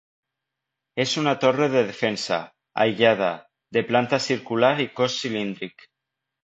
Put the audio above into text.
És una torre de defensa, aïllada, de planta circular i cos cilíndric.